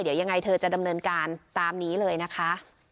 เดี๋ยวยังไงเธอจะดำเนินการตามนี้เลยนะคะ